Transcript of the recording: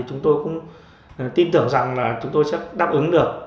chúng tôi cũng tin tưởng rằng là chúng tôi sẽ đáp ứng được